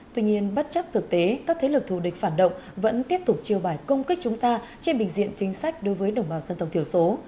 tuy nhiên bất chấp thực tế các thế lực thù địch phản động vẫn tiếp tục chiêu bài công kích chúng ta trên bình diện chính sách đối với đồng bào dân tộc thiểu số